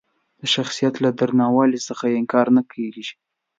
د شخصیت له دروندوالي څخه یې انکار نه کېږي.